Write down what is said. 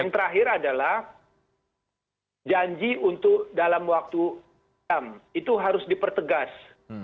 yang terakhir adalah janji untuk dalam waktu jam itu harus dipertegas